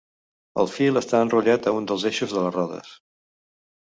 El fil està enrotllat a un dels eixos de les rodes.